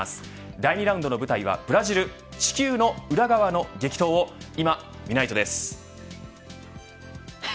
第２ラウンドの舞台はブラジル地球の裏側の激闘をいま、みないとです。